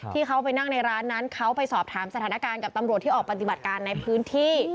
ที่เขาไปนั่งในร้านนั้นเขาไปสอบถามสถานการณ์กับตำรวจที่ออกปฏิบัติการในพื้นที่